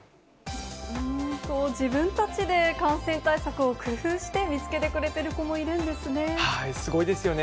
自分たちで感染対策を工夫して見つけてくれてる子もいるんですね。